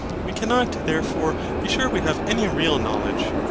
We cannot, therefore, be sure we have any real knowledge.